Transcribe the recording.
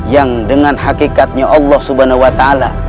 yang dengan hakikatnya allah subhanahu wa ta'ala